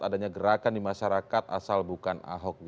adanya gerakan di masyarakat asal bukan ahok